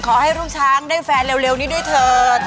ขอให้ลูกช้างได้แฟนเร็วนี้ด้วยเถิด